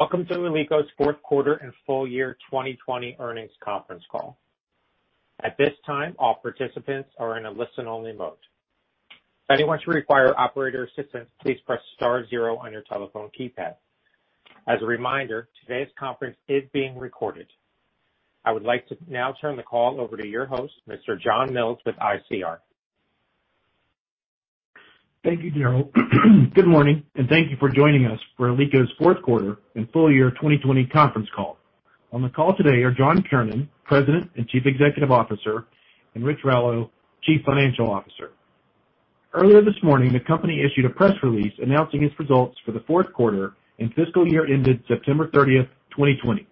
Welcome to Alico's fourth quarter and full-year 2020 earnings conference call. At this time, all participants are in a listen-only mode. If anyone should require operator assistance, please press star zero on your telephone keypad. As a reminder, today's conference is being recorded. I would like to now turn the call over to your host, Mr. John Mills with ICR. Thank you, Daryll. Good morning, and thank you for joining us for Alico's fourth quarter and full-year 2020 conference call. On the call today are John Kiernan, President and Chief Executive Officer, and Rich Rallo, Chief Financial Officer. Earlier this morning, the company issued a press release announcing its results for the fourth quarter and fiscal year ended September 30th, 2020.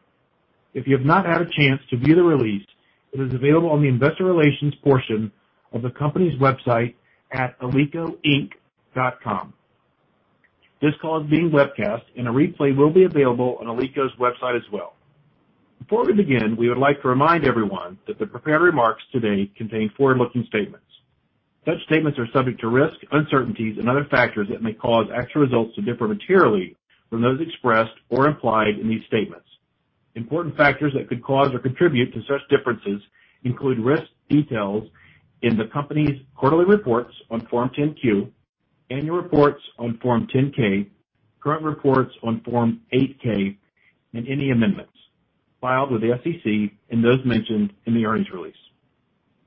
If you have not had a chance to view the release, it is available on the investor relations portion of the company's website at alicoinc.com. This call is being webcast and a replay will be available on Alico's website as well. Before we begin, we would like to remind everyone that the prepared remarks today contain forward-looking statements. Such statements are subject to risks, uncertainties, and other factors that may cause actual results to differ materially from those expressed or implied in these statements. Important factors that could cause or contribute to such differences include risk details in the company's quarterly reports on Form 10-Q, annual reports on Form 10-K, current reports on Form 8-K, and any amendments filed with the SEC and those mentioned in the earnings release.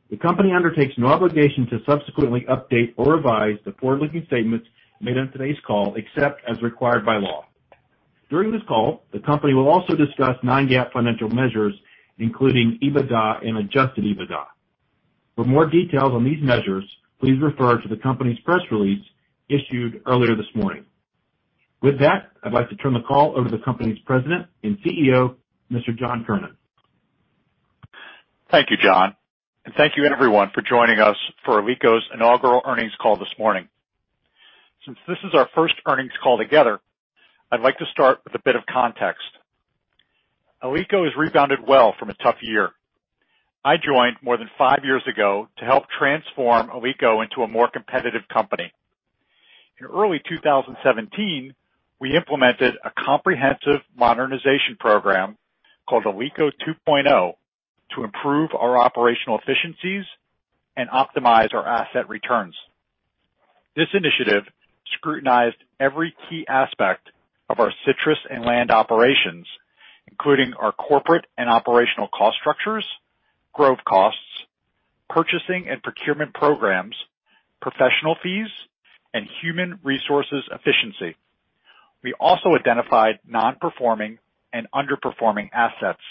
The company undertakes no obligation to subsequently update or revise the forward-looking statements made on today's call, except as required by law. During this call, the company will also discuss non-GAAP financial measures, including EBITDA and adjusted EBITDA. For more details on these measures, please refer to the company's press release issued earlier this morning. With that, I'd like to turn the call over to the company's President and CEO, Mr. John Kiernan. Thank you, John, and thank you everyone for joining us for Alico's inaugural earnings call this morning. Since this is our first earnings call together, I'd like to start with a bit of context. Alico has rebounded well from a tough year. I joined more than five years ago to help transform Alico into a more competitive company. In early 2017, we implemented a comprehensive modernization program called Alico 2.0 to improve our operational efficiencies and optimize our asset returns. This initiative scrutinized every key aspect of our citrus and land operations, including our corporate and operational cost structures, growth costs, purchasing and procurement programs, professional fees, and human resources efficiency. We also identified non-performing and underperforming assets.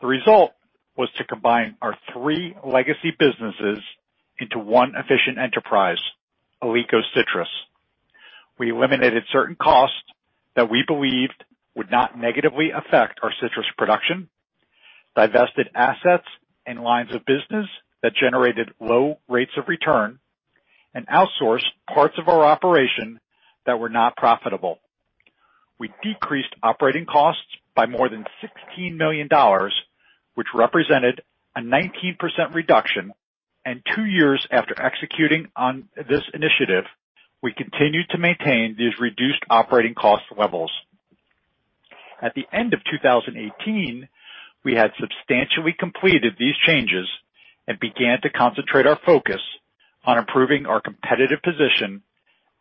The result was to combine our three legacy businesses into one efficient enterprise, Alico Citrus. We eliminated certain costs that we believed would not negatively affect our citrus production, divested assets and lines of business that generated low rates of return, and outsourced parts of our operation that were not profitable. We decreased operating costs by more than $16 million, which represented a 19% reduction. Two years after executing on this initiative, we continued to maintain these reduced operating cost levels. At the end of 2018, we had substantially completed these changes and began to concentrate our focus on improving our competitive position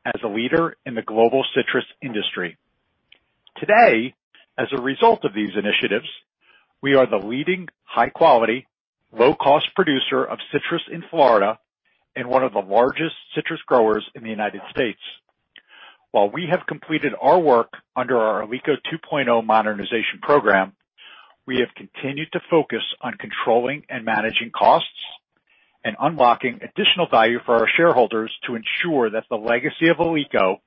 as a leader in the global citrus industry. Today, as a result of these initiatives, we are the leading high-quality, low-cost producer of citrus in Florida and one of the largest citrus growers in the United States While we have completed our work under our Alico 2.0 modernization program, we have continued to focus on controlling and managing costs and unlocking additional value for our shareholders to ensure that the legacy of Alico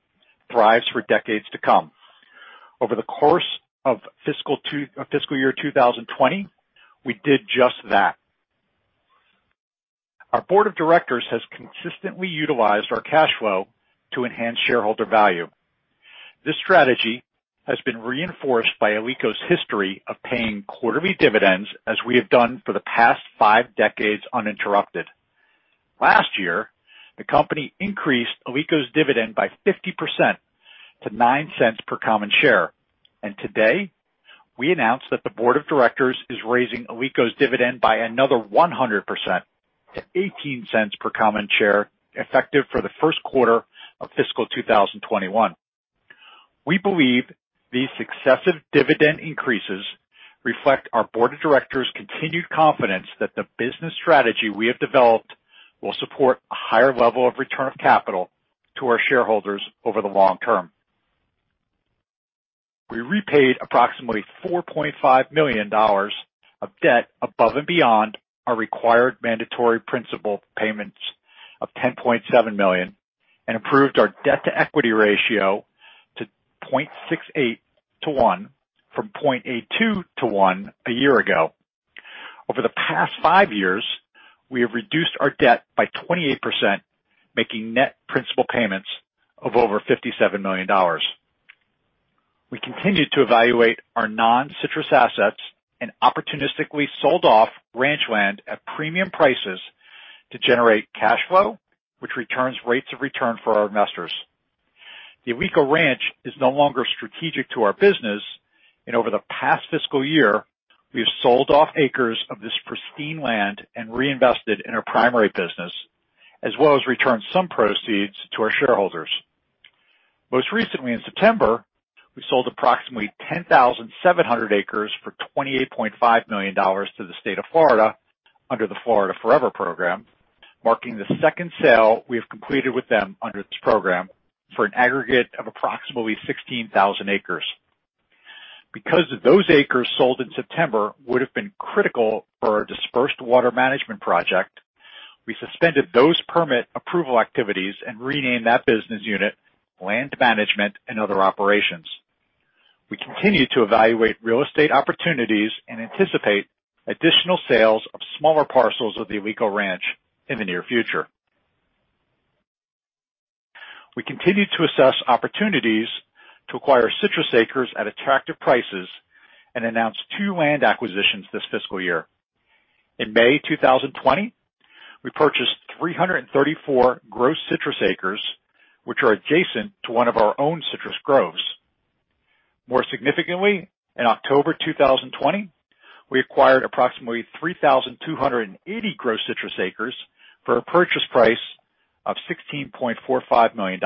thrives for decades to come. Over the course of fiscal year 2020, we did just that. Our board of directors has consistently utilized our cash flow to enhance shareholder value. This strategy has been reinforced by Alico's history of paying quarterly dividends, as we have done for the past five decades uninterrupted. Last year, the company increased Alico's dividend by 50% to $0.09 per common share. Today, we announced that the board of directors is raising Alico's dividend by another 100% to $0.18 per common share, effective for the first quarter of fiscal 2021. We believe these successive dividend increases reflect our board of directors' continued confidence that the business strategy we have developed will support a higher level of return of capital to our shareholders over the long term. We repaid approximately $4.5 million of debt above and beyond our required mandatory principal payments of $10.7 million and improved our debt-to-equity ratio to 0.68 to 1 from 0.82 to 1 a year ago. Over the past five years, we have reduced our debt by 28%, making net principal payments of over $57 million. We continued to evaluate our non-citrus assets and opportunistically sold off ranch land at premium prices to generate cash flow, which returns rates of return for our investors. The Alico Ranch is no longer strategic to our business. Over the past fiscal year, we have sold off acres of this pristine land and reinvested in our primary business, as well as returned some proceeds to our shareholders. Most recently in September, we sold approximately 10,700 acres for $28.5 million to the state of Florida under the Florida Forever program, marking the second sale we have completed with them under this program for an aggregate of approximately 16,000 acres. Because those acres sold in September would have been critical for our dispersed water management project, we suspended those permit approval activities and renamed that business unit, Land Management and Other Operations. We continue to evaluate real estate opportunities and anticipate additional sales of smaller parcels of the Alico Ranch in the near future. We continued to assess opportunities to acquire citrus acres at attractive prices and announced two land acquisitions this fiscal year. In May 2020, we purchased 334 gross citrus acres, which are adjacent to one of our own citrus groves. More significantly, in October 2020, we acquired approximately 3,280 gross citrus acres for a purchase price of $16.45 million.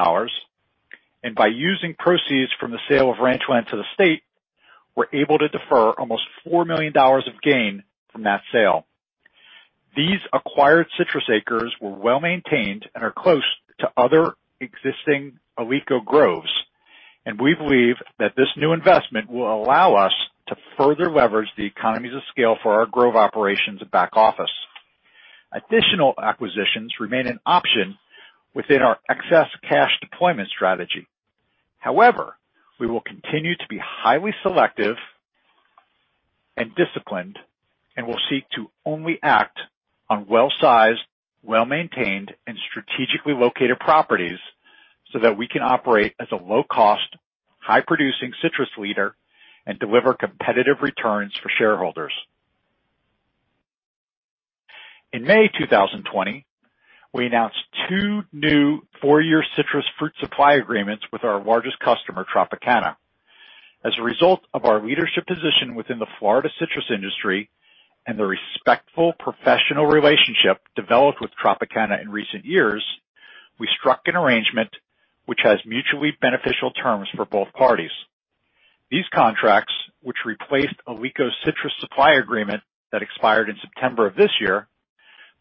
By using proceeds from the sale of ranchland to the state, we're able to defer almost $4 million of gain from that sale. These acquired citrus acres were well-maintained and are close to other existing Alico groves, and we believe that this new investment will allow us to further leverage the economies of scale for our grove operations and back office. Additional acquisitions remain an option within our excess cash deployment strategy. However, we will continue to be highly selective and disciplined, and will seek to only act on well-sized, well-maintained, and strategically located properties so that we can operate as a low-cost, high-producing citrus leader and deliver competitive returns for shareholders. In May 2020, we announced two new four-year citrus fruit supply agreements with our largest customer, Tropicana. As a result of our leadership position within the Florida citrus industry and the respectful professional relationship developed with Tropicana in recent years, we struck an arrangement which has mutually beneficial terms for both parties. These contracts, which replaced Alico's citrus supply agreement that expired in September of this year,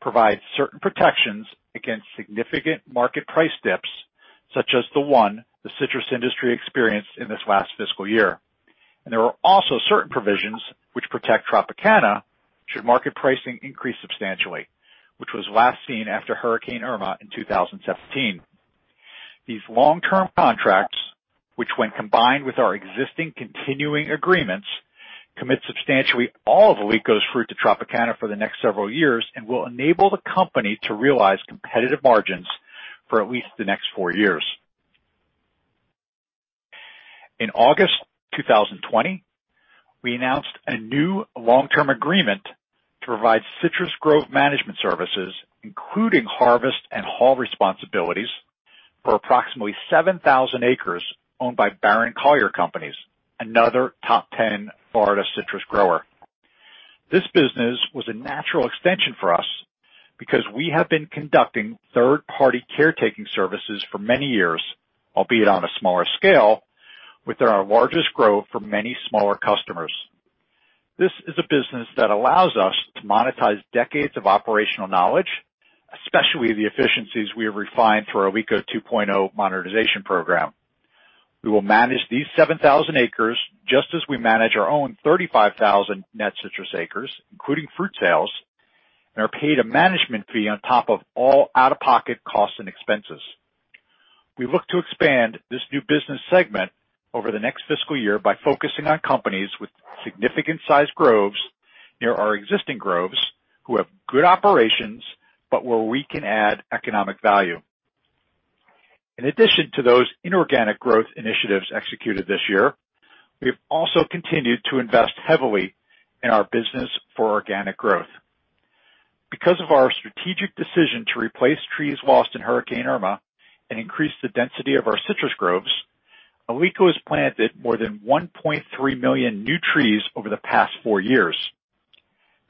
provide certain protections against significant market price dips, such as the one the citrus industry experienced in this last fiscal year. There are also certain provisions which protect Tropicana should market pricing increase substantially, which was last seen after Hurricane Irma in 2017. These long-term contracts, which when combined with our existing continuing agreements, commit substantially all of Alico's fruit to Tropicana for the next several years and will enable the company to realize competitive margins for at least the next four years. In August 2020, we announced a new long-term agreement to provide citrus grove management services, including harvest and haul responsibilities, for approximately 7,000 acres owned by Barron Collier Companies, another top 10 Florida citrus grower. This business was a natural extension for us because we have been conducting third-party caretaking services for many years, albeit on a smaller scale, within our largest grove for many smaller customers. This is a business that allows us to monetize decades of operational knowledge, especially the efficiencies we have refined through our Alico 2.0 modernization program. We will manage these 7,000 acres just as we manage our own 35,000 net citrus acres, including fruit sales, and are paid a management fee on top of all out-of-pocket costs and expenses. We look to expand this new business segment over the next fiscal year by focusing on companies with significant-sized groves near our existing groves who have good operations, but where we can add economic value. In addition to those inorganic growth initiatives executed this year, we've also continued to invest heavily in our business for organic growth. Because of our strategic decision to replace trees lost in Hurricane Irma and increase the density of our citrus groves, Alico has planted more than 1.3 million new trees over the past four years.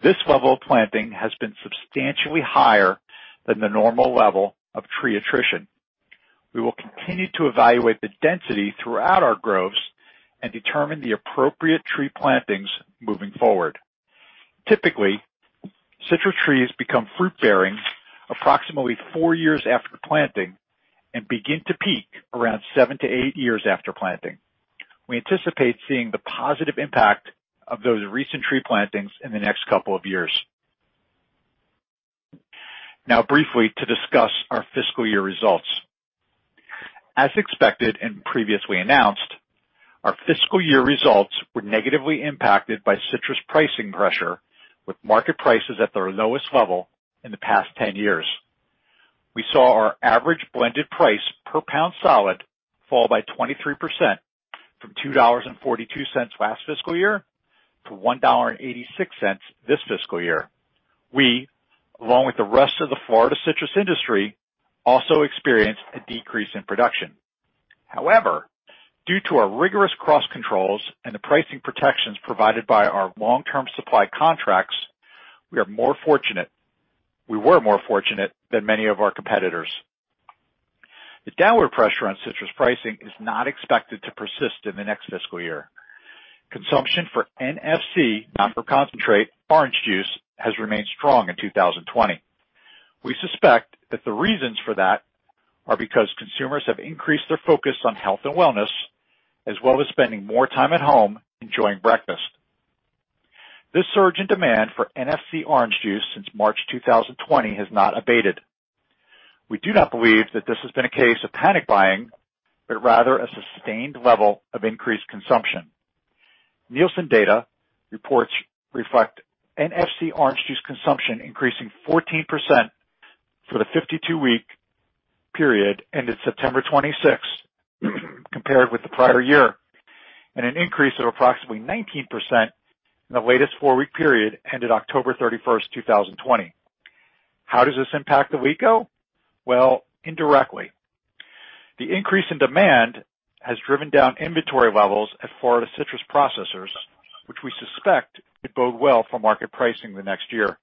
This level of planting has been substantially higher than the normal level of tree attrition. We will continue to evaluate the density throughout our groves and determine the appropriate tree plantings moving forward. Typically, citrus trees become fruit-bearing approximately four years after planting and begin to peak around seven to eight years after planting. We anticipate seeing the positive impact of those recent tree plantings in the next couple of years. Briefly to discuss our fiscal year results. As expected and previously announced, our fiscal year results were negatively impacted by citrus pricing pressure with market prices at their lowest level in the past 10 years. We saw our average blended price per pound solid fall by 23%, from $2.42 last fiscal year to $1.86 this fiscal year. We, along with the rest of the Florida citrus industry, also experienced a decrease in production. However, due to our rigorous cost controls and the pricing protections provided by our long-term supply contracts, we were more fortunate than many of our competitors. The downward pressure on citrus pricing is not expected to persist in the next fiscal year. Consumption for NFC, Not-from-Concentrate orange juice, has remained strong in 2020. We suspect that the reasons for that are because consumers have increased their focus on health and wellness, as well as spending more time at home enjoying breakfast. This surge in demand for NFC orange juice since March 2020 has not abated. We do not believe that this has been a case of panic buying, but rather a sustained level of increased consumption. Nielsen data reports reflect NFC orange juice consumption increasing 14% for the 52-week period ended September 26th, compared with the prior year, and an increase of approximately 19% in the latest four-week period ended October 31st, 2020. How does this impact the Alico? Well, indirectly. The increase in demand has driven down inventory levels at Florida citrus processors, which we suspect could bode well for market pricing the next year.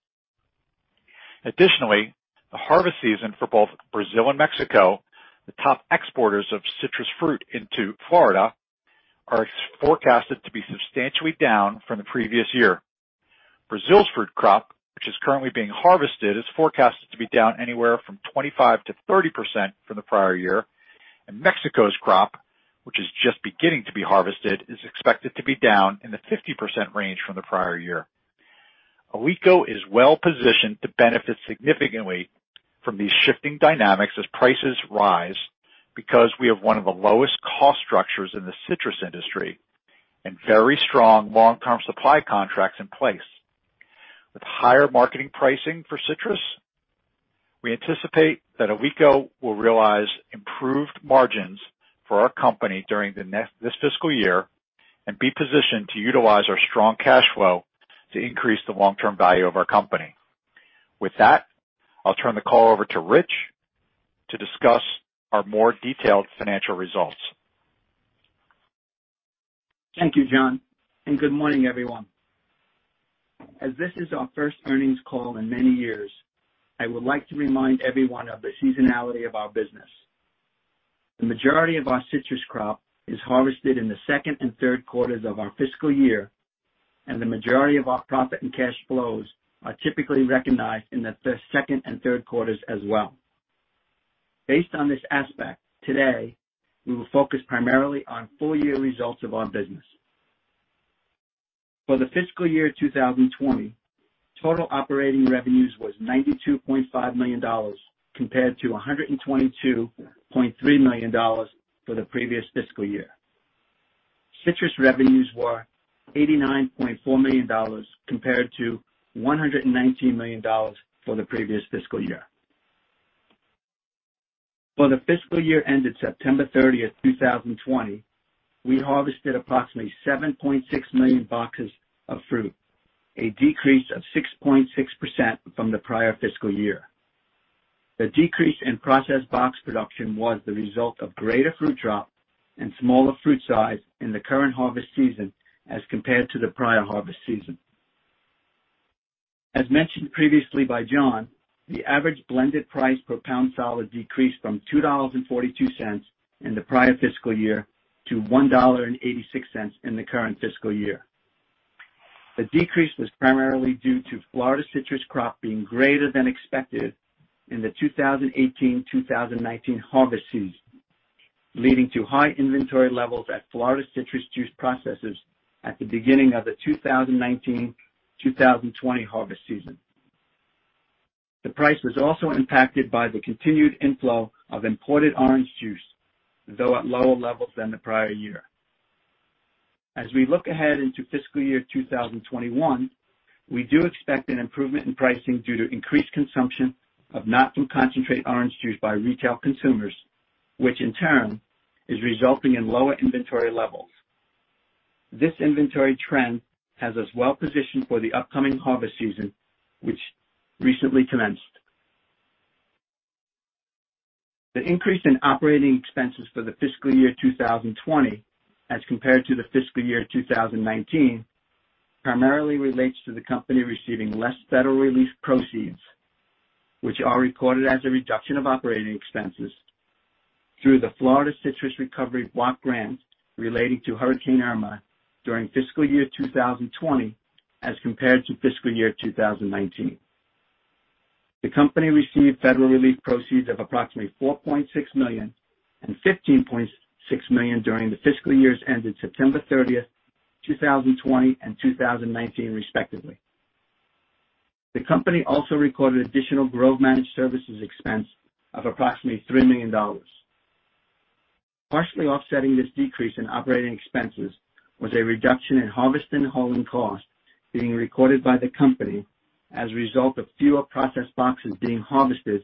Additionally, the harvest season for both Brazil and Mexico, the top exporters of citrus fruit into Florida, are forecasted to be substantially down from the previous year. Brazil's fruit crop, which is currently being harvested, is forecasted to be down anywhere from 25%-30% from the prior year, and Mexico's crop, which is just beginning to be harvested, is expected to be down in the 50% range from the prior year. Alico is well-positioned to benefit significantly from these shifting dynamics as prices rise because we have one of the lowest cost structures in the citrus industry and very strong long-term supply contracts in place. With higher marketing pricing for citrus, we anticipate that Alico will realize improved margins for our company during this fiscal year and be positioned to utilize our strong cash flow to increase the long-term value of our company. With that, I'll turn the call over to Rich to discuss our more detailed financial results. Thank you, John, and good morning, everyone. As this is our first earnings call in many years, I would like to remind everyone of the seasonality of our business. The majority of our citrus crop is harvested in the second and third quarters of our fiscal year, and the majority of our profit and cash flows are typically recognized in the second and third quarters as well. Based on this aspect, today, we will focus primarily on full-year results of our business. For the fiscal year 2020, total operating revenues was $92.5 million, compared to $122.3 million for the previous fiscal year. Citrus revenues were $89.4 million compared to $119 million for the previous fiscal year. For the fiscal year ended September 30th, 2020, we harvested approximately 7.6 million boxes of fruit, a decrease of 6.6% from the prior fiscal year. The decrease in processed box production was the result of greater fruit drop and smaller fruit size in the current harvest season as compared to the prior harvest season. As mentioned previously by John, the average blended price per pound solid decreased from $2.42 in the prior fiscal year to $1.86 in the current fiscal year. The decrease was primarily due to Florida citrus crop being greater than expected in the 2018-2019 harvest season, leading to high inventory levels at Florida citrus juice processors at the beginning of the 2019-2020 harvest season. The price was also impacted by the continued inflow of imported orange juice, though at lower levels than the prior year. As we look ahead into fiscal year 2021, we do expect an improvement in pricing due to increased consumption of not-from-concentrate orange juice by retail consumers, which in turn is resulting in lower inventory levels. This inventory trend has us well-positioned for the upcoming harvest season, which recently commenced. The increase in operating expenses for the fiscal year 2020 as compared to the fiscal year 2019 primarily relates to the company receiving less federal relief proceeds, which are recorded as a reduction of operating expenses through the Florida Citrus Recovery Block Grant relating to Hurricane Irma during fiscal year 2020 as compared to fiscal year 2019. The company received federal relief proceeds of approximately $4.6 million and $15.6 million during the fiscal years ended September 30th, 2020 and 2019, respectively. The company also recorded additional Grove managed services expense of approximately $3 million. Partially offsetting this decrease in operating expenses was a reduction in harvest and hauling costs being recorded by the company as a result of fewer processed boxes being harvested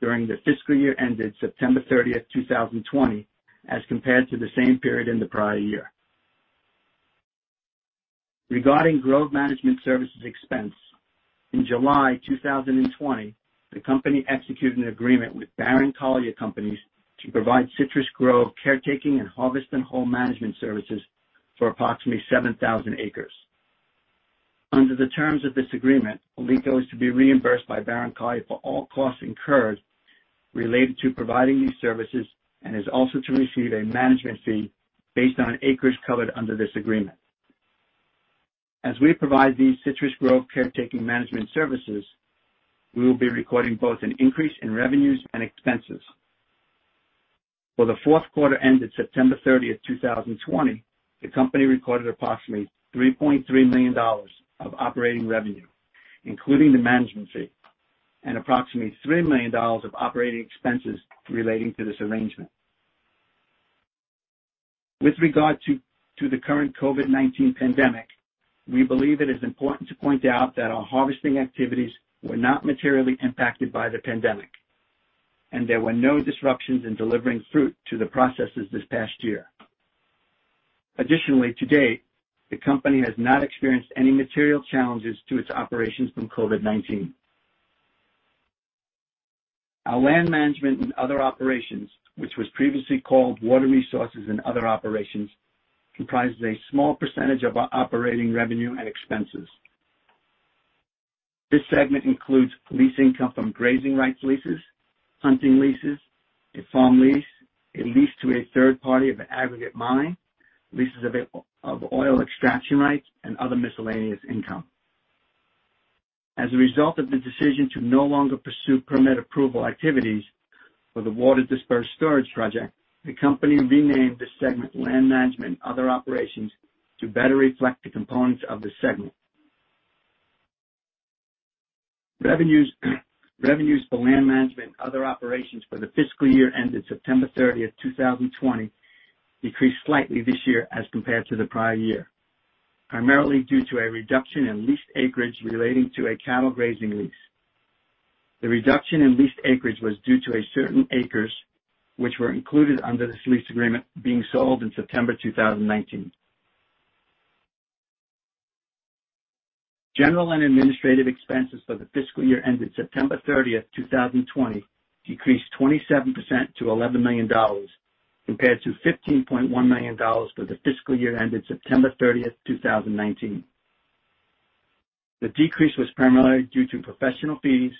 during the fiscal year ended September 30th, 2020, as compared to the same period in the prior year. Regarding Grove Management Services expense, in July 2020, the company executed an agreement with Barron Collier Companies to provide citrus grove caretaking and harvest and haul management services for approximately 7,000 acres. Under the terms of this agreement, Alico is to be reimbursed by Barron Collier for all costs incurred related to providing these services and is also to receive a management fee based on acres covered under this agreement. As we provide these citrus grove caretaking management services, we will be recording both an increase in revenues and expenses. For the fourth quarter ended September 30th, 2020, the company recorded approximately $3.3 million of operating revenue, including the management fee, and approximately $3 million of operating expenses relating to this arrangement. With regard to the current COVID-19 pandemic, we believe it is important to point out that our harvesting activities were not materially impacted by the pandemic, and there were no disruptions in delivering fruit to the processors this past year. To date, the company has not experienced any material challenges to its operations from COVID-19. Our Land Management and Other Operations, which was previously called Water Resources and Other Operations, comprises a small percentage of our operating revenue and expenses. This segment includes lease income from grazing rights leases, hunting leases, a farm lease, a lease to a third party of an aggregate mine, leases of oil extraction rights, and other miscellaneous income. As a result of the decision to no longer pursue permit approval activities for the water dispersed storage project, the company renamed this segment Land Management and Other Operations to better reflect the components of the segment. Revenues for Land Management and Other Operations for the fiscal year ended September 30th, 2020, decreased slightly this year as compared to the prior year, primarily due to a reduction in leased acreage relating to a cattle grazing lease. The reduction in leased acreage was due to certain acres, which were included under this lease agreement being sold in September 2019. General and administrative expenses for the fiscal year ended September 30th, 2020, decreased 27% to $11 million, compared to $15.1 million for the fiscal year ended September 30th, 2019. The decrease was primarily due to professional fees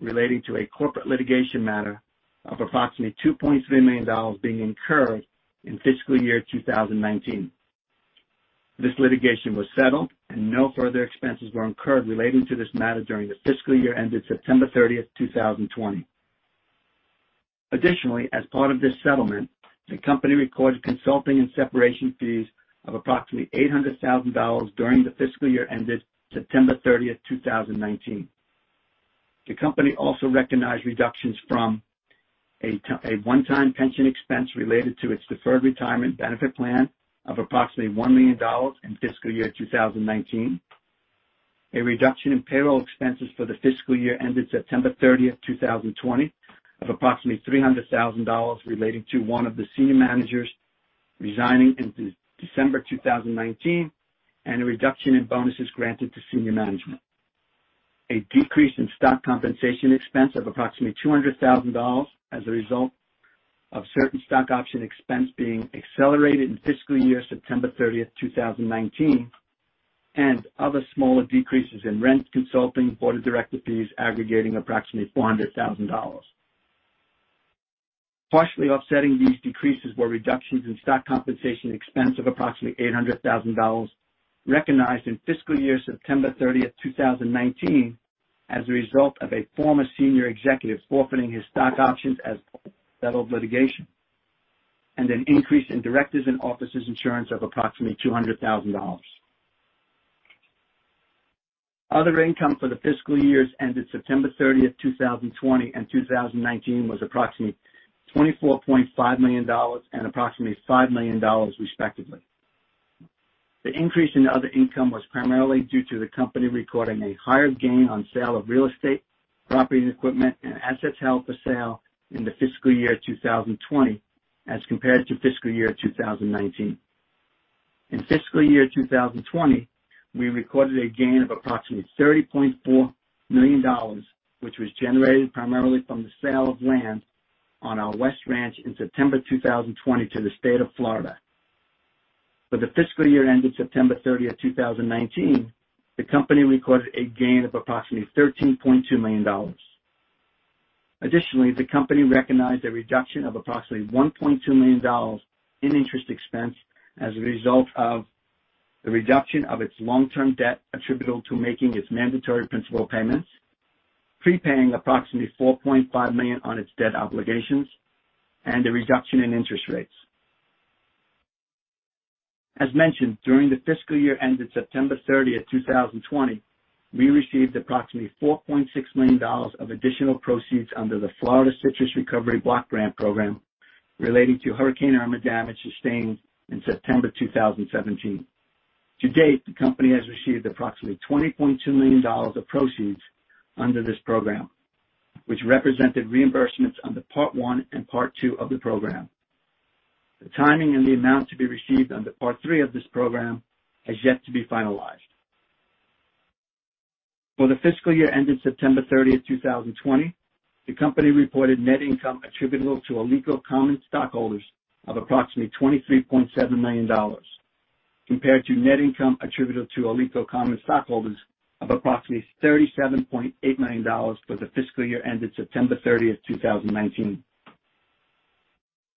relating to a corporate litigation matter of approximately $2.3 million being incurred in fiscal year 2019. This litigation was settled, and no further expenses were incurred relating to this matter during the fiscal year ended September 30th, 2020. Additionally, as part of this settlement, the company recorded consulting and separation fees of approximately $800,000 during the fiscal year ended September 30th, 2019. The company also recognized reductions from a one-time pension expense related to its deferred retirement benefit plan of approximately $1 million in fiscal year 2019. A reduction in payroll expenses for the fiscal year ended September 30th, 2020, of approximately $300,000 relating to one of the senior managers resigning in December 2019, and a reduction in bonuses granted to senior management. A decrease in stock compensation expense of approximately $200,000 as a result of certain stock option expense being accelerated in fiscal year September 30th, 2019. Other smaller decreases in rent, consulting, board of director fees aggregating approximately $400,000. Partially offsetting these decreases were reductions in stock compensation expense of approximately $800,000 recognized in fiscal year September 30th, 2019 as a result of a former senior executive forfeiting his stock options as part of settled litigation, and an increase in directors' and officers' insurance of approximately $200,000. Other income for the fiscal years ended September 30th, 2020, and 2019 was approximately $24.5 million and approximately $5 million respectively. The increase in other income was primarily due to the company recording a higher gain on sale of real estate, property equipment, and assets held for sale in the fiscal year 2020 as compared to fiscal year 2019. In fiscal year 2020, we recorded a gain of approximately $30.4 million, which was generated primarily from the sale of land on our West Ranch in September 2020 to the state of Florida. For the fiscal year ended September 30th, 2019, the company recorded a gain of approximately $13.2 million. Additionally, the company recognized a reduction of approximately $1.2 million in interest expense as a result of the reduction of its long-term debt attributable to making its mandatory principal payments, prepaying approximately $4.5 million on its debt obligations, and a reduction in interest rates. As mentioned during the fiscal year ended September 30th, 2020, we received approximately $4.6 million of additional proceeds under the Florida Citrus Recovery Block Grant program relating to Hurricane Irma damage sustained in September 2017. To date, the company has received approximately $20.2 million of proceeds under this program, which represented reimbursements under part 1 and part 2 of the program. The timing and the amount to be received under part 3 of this program has yet to be finalized. For the fiscal year ended September 30th, 2020, the company reported net income attributable to Alico common stockholders of approximately $23.7 million, compared to net income attributable to Alico common stockholders of approximately $37.8 million for the fiscal year ended September 30th, 2019.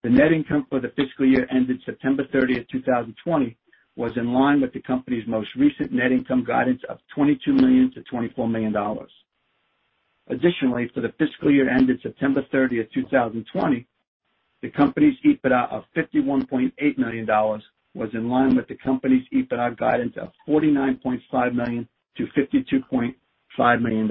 The net income for the fiscal year ended September 30th, 2020 was in line with the company's most recent net income guidance of $22 million-$24 million. Additionally, for the fiscal year ended September 30th, 2020, the company's EBITDA of $51.8 million was in line with the company's EBITDA guidance of $49.5 million-$52.5 million.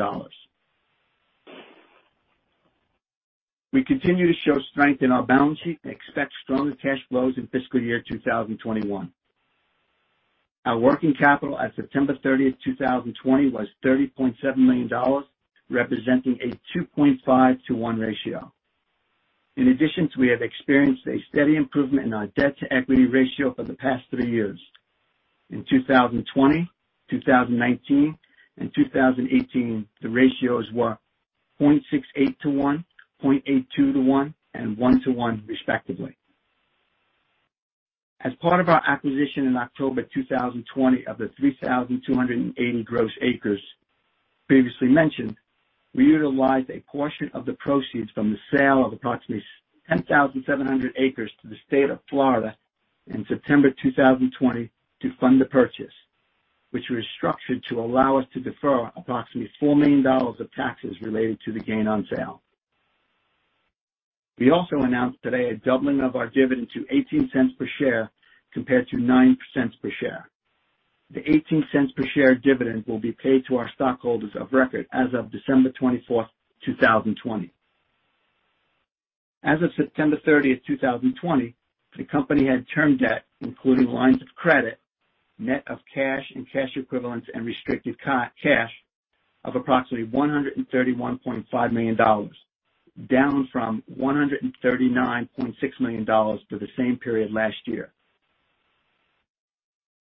We continue to show strength in our balance sheet and expect stronger cash flows in fiscal year 2021. Our working capital at September 30th, 2020 was $30.7 million, representing a 2.5 to 1 ratio. In addition to we have experienced a steady improvement in our debt to equity ratio for the past three years. In 2020, 2019, and 2018, the ratios were 0.68 to 1, 0.82 to 1, and 1 to 1 respectively. As part of our acquisition in October 2020 of the 3,280 gross acres previously mentioned, we utilized a portion of the proceeds from the sale of approximately 10,700 acres to the State of Florida in September 2020 to fund the purchase, which was structured to allow us to defer approximately $4 million of taxes related to the gain on sale. We also announced today a doubling of our dividend to $0.18 per share compared to $0.09 per share. The $0.18 per share dividend will be paid to our stockholders of record as of December 24th, 2020. As of September 30th, 2020, the company had term debt, including lines of credit, net of cash and cash equivalents, and restricted cash of approximately $131.5 million, down from $139.6 million for the same period last year.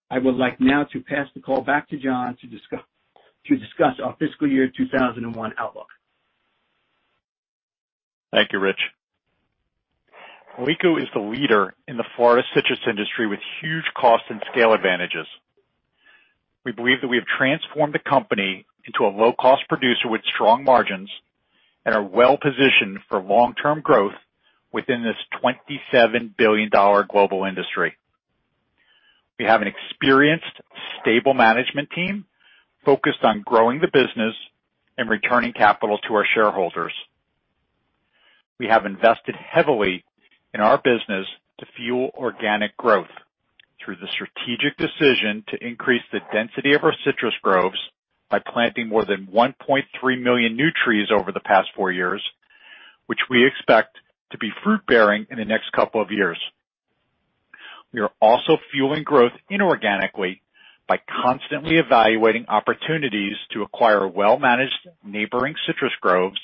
I would like now to pass the call back to John to discuss our fiscal year 2001 outlook. Thank you, Rich. Alico is the leader in the Florida citrus industry with huge cost and scale advantages. We believe that we have transformed the company into a low-cost producer with strong margins and are well-positioned for long-term growth within this $27 billion global industry. We have an experienced, stable management team focused on growing the business and returning capital to our shareholders. We have invested heavily in our business to fuel organic growth through the strategic decision to increase the density of our citrus groves by planting more than 1.3 million new trees over the past four years, which we expect to be fruit-bearing in the next couple of years. We are also fueling growth inorganically by constantly evaluating opportunities to acquire well-managed neighboring citrus groves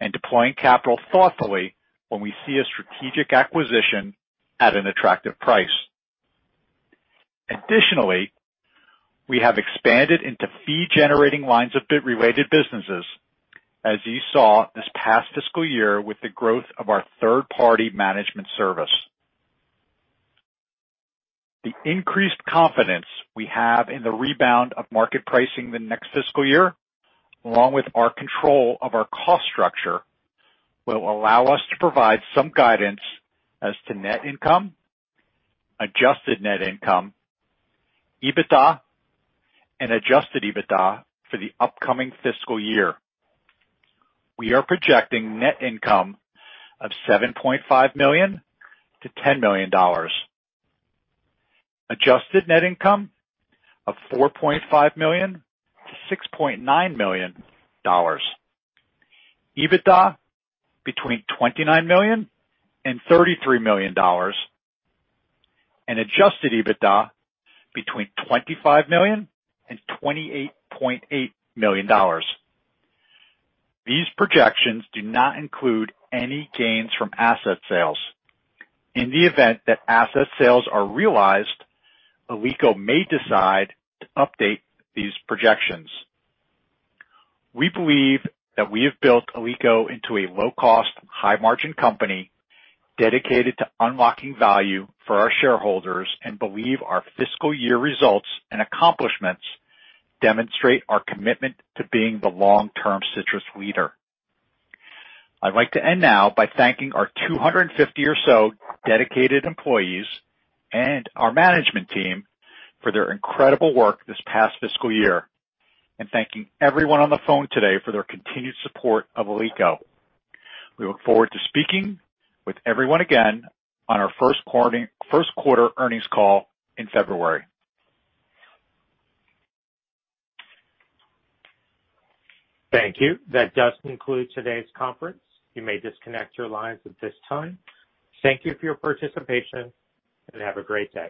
and deploying capital thoughtfully when we see a strategic acquisition at an attractive price. Additionally, we have expanded into fee-generating lines of related businesses, as you saw this past fiscal year with the growth of our third-party management service. The increased confidence we have in the rebound of market pricing the next fiscal year, along with our control of our cost structure, will allow us to provide some guidance as to net income, adjusted net income, EBITDA, and adjusted EBITDA for the upcoming fiscal year. We are projecting net income of $7.5 million-$10 million, adjusted net income of $4.5 million-$6.9 million, EBITDA between $29 million and $33 million, and adjusted EBITDA between $25 million and $28.8 million. These projections do not include any gains from asset sales. In the event that asset sales are realized, Alico may decide to update these projections. We believe that we have built Alico into a low-cost, high-margin company dedicated to unlocking value for our shareholders and believe our fiscal year results and accomplishments demonstrate our commitment to being the long-term citrus leader. I'd like to end now by thanking our 250 or so dedicated employees and our management team for their incredible work this past fiscal year, and thanking everyone on the phone today for their continued support of Alico. We look forward to speaking with everyone again on our first quarter earnings call in February. Thank you. That does conclude today's conference. You may disconnect your lines at this time. Thank you for your participation, and have a great day.